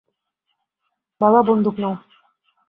বাবা, বন্দুক নাও।